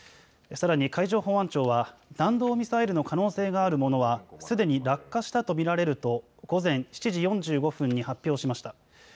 さらに海上保安庁は弾道ミサイルの可能性があるものはすでに落下したと見られると午前７時４５分に発表しました。